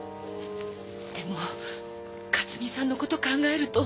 でも克巳さんのこと考えると！